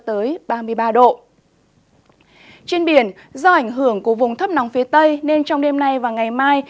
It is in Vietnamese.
trên biển do ảnh hưởng của vùng thấp nóng phía tây nên trong đêm nay và ngày mai